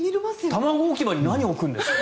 卵置き場に何を入れるんですか？